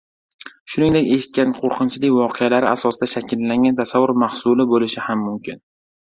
shuningdek eshitgan qo‘rqinchi voqealari asosida shakllangan tasavvur mahsuli bo‘lishi ham mumkin.